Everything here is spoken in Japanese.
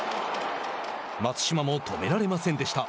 松島も止められませんでした。